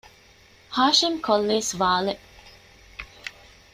؟ ހާޝިމް ކޮށްލީ ސްވާލެއް